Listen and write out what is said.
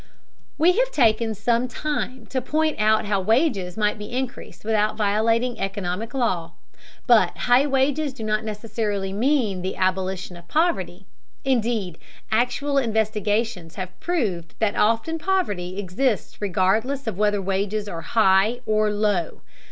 We have taken some time to point out how wages might be increased without violating economic law. But high wages do not necessarily mean the abolition of poverty, indeed, actual investigations have proved that often poverty exists regardless of whether wages are high or low.